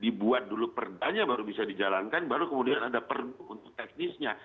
dibuat dulu perundangnya baru bisa dijalankan baru kemudian ada perundang teknisnya